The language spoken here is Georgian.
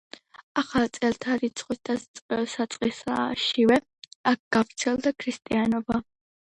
ახალი წელთაღრიცხვის დასაწყისშივე აქ გავრცელდა ქრისტიანობა.